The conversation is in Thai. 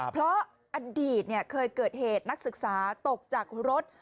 เพราะอดีตเคยเกิดเหตุนักศึกษาตกจากรถ